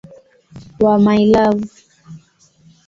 wa "My Love".